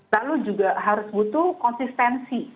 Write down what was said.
lalu juga harus butuh konsistensi